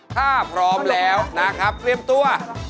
ถ้าพร้อมแล้วนะครับเตรียมตัว